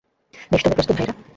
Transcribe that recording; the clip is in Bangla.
বেশ, তোমরা প্রস্তুত, ভাইয়েরা?